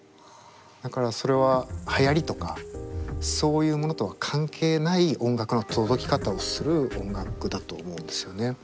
だからそれははやりとかそういうものとは関係ない音楽の届き方をする音楽だと思うんですよね。